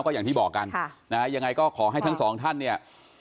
ก็อย่างที่บอกกันยังไงก็ขอให้ทั้งสองท่านเนี่ย